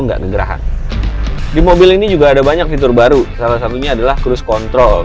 enggak ngegerahan di mobil ini juga ada banyak fitur baru salah satunya adalah cruise control